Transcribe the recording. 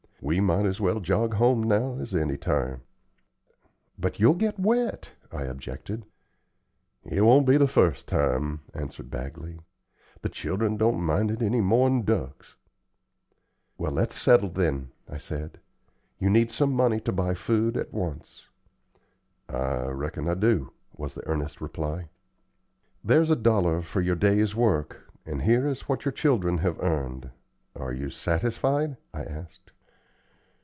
"We might as well jog home now as any time." "But you'll get wet," I objected. "It won't be the fust time," answered Bagley. "The children don't mind it any more'n ducks." "Well, let's settle, then," I said. "You need some money to buy food at once." "I reckon I do," was the earnest reply. "There's a dollar for your day's work, and here is what your children have earned. Are you satisfied?" I asked.